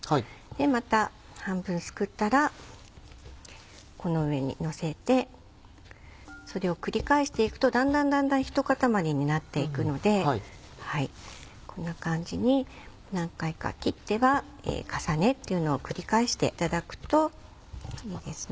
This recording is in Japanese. また半分すくったらこの上にのせてそれを繰り返していくとだんだんだんだん一固まりになっていくのでこんな感じに何回か切っては重ねっていうのを繰り返していただくといいですね。